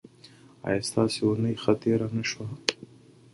ایا ستاسو اونۍ ښه تیره نه شوه؟